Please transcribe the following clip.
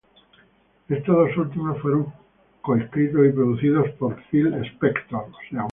Estos dos últimos fueron co-escritos y producidos por Phil Spector.